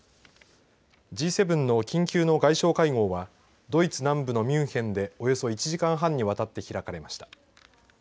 Ｇ７の緊急の外相会合はドイツ南部のミュンヘンでおよそ１時間半にわたって開かれました。